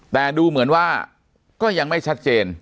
แต่ดูเหมือนว่าก็ยังไม่ชัดเจน